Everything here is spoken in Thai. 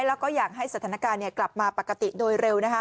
แล้วก็อยากให้สถานการณ์กลับมาปกติโดยเร็ว